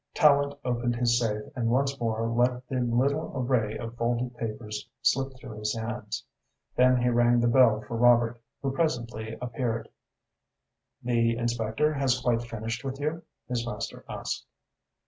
Tallente opened his safe and once more let the little array of folded papers slip through his hands. Then he rang the bell for Robert, who presently appeared. "The inspector has quite finished with you?" his master asked.